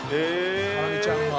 ハラミちゃんが。